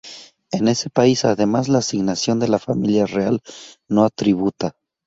En ese país, además, la asignación de la familia real no tributa.